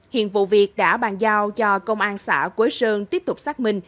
hiện vụ việc đã bàn giao cho công an xã quế sơn tiếp tục xác minh